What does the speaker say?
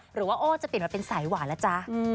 หรือว่าโอ้จะเปลี่ยนว่าเป็นสายหวานล่ะจ๊ะ